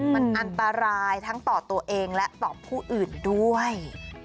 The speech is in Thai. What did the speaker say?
มันอันตรายทั้งต่อตัวเองและต่อผู้อื่นด้วย